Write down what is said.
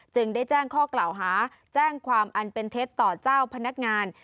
ได้แจ้งข้อกล่าวหาแจ้งความอันเป็นเท็จต่อเจ้าพนักงาน